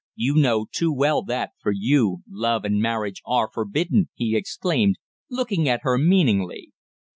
You know too well that, for you, love and marriage are forbidden," he exclaimed, looking at her meaningly.